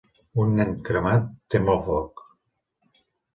Un nen cremat tem el foc